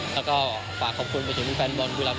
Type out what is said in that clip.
แล้วก็ฝากขอบคุณไปถึงแฟนบอลบุรี